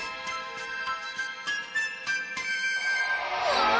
わあ！